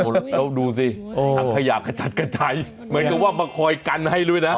แล้วดูสิถังขยะกระจัดกระจายเหมือนกับว่ามาคอยกันให้ด้วยนะ